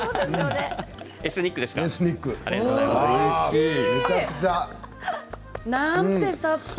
エスニックですか？